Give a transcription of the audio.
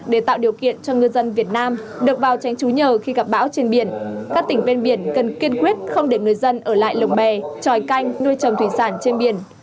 để tạo điều kiện cho ngư dân việt nam được vào tránh trú nhờ khi gặp bão trên biển các tỉnh ven biển cần kiên quyết không để người dân ở lại lồng bè tròi canh nuôi trồng thủy sản trên biển